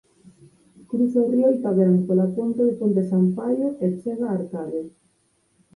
Cruza o río Oitavén pola ponte de Ponte Sampaio e chega a Arcade.